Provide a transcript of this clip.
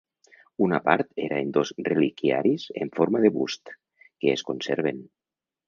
Una part era en dos reliquiaris en forma de bust, que es conserven.